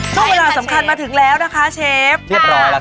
เข้าเวลาสำคัญมาถึงแล้วนะคะเชฟก๊อบเบอร์เธอได้นะคะเชฟ